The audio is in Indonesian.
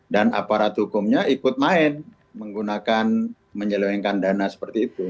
dan aparat hukumnya ikut main menggunakan menyelewengkan dana seperti itu